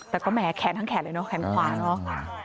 แต่ก็แหมแขนทั้งแขนเลยเนอะแขนขวาเนอะ